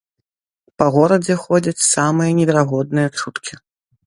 Па горадзе ходзяць самыя неверагодныя чуткі.